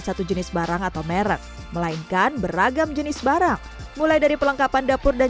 satu jenis barang atau merek melainkan beragam jenis barang mulai dari pelengkapan dapur dan